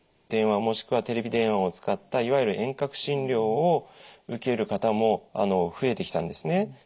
電話もしくはテレビ電話を使ったいわゆる遠隔診療を受ける方も増えてきたんですね。